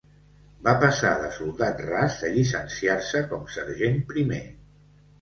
Va passar de soldat ras a llicenciar-se com sergent primer.